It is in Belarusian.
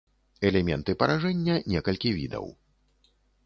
Элементы паражэння некалькі відаў.